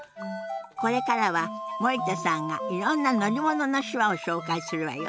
これからは森田さんがいろんな乗り物の手話を紹介するわよ。